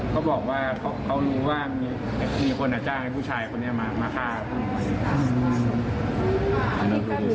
ก็บอกว่าเขารู้ว่ามีคนอาจารย์ให้ผู้ชายคนนี้มาฆ่าเขา